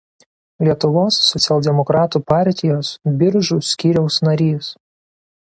Lietuvos socialdemokratų partijos Biržų skyriaus narys.